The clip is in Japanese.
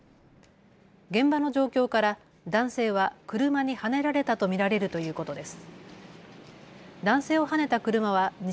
現場の状況から男性は車にはねられたと見られるということです。